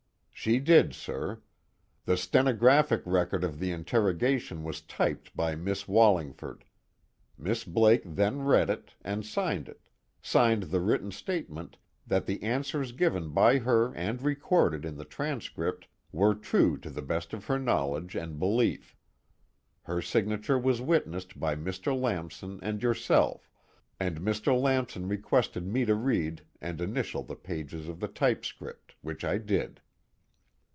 "She did, sir. The stenographic record of the interrogation was typed by Miss Wallingford. Miss Blake then read it, and signed it signed the written statement that the answers given by her and recorded in the transcript were true to the best of her knowledge and belief. Her signature was witnessed by Mr. Lamson and yourself, and Mr. Lamson requested me to read and initial the pages of the typescript, which I did."